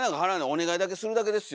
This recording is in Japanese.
お願いだけするだけですよ